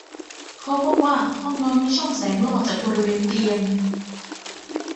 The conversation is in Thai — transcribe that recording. เขาพบว่าห้องนอนมีช่องแสงลอดจากบริเวณเตียง